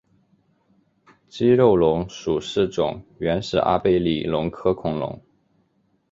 肌肉龙属是种原始阿贝力龙科恐龙。